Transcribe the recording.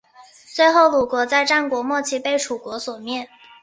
最后鲁国在战国末期被楚国所灭。